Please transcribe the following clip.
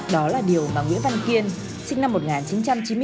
đó là điều mà nguyễn văn kiên sinh năm một nghìn chín trăm chín mươi bốn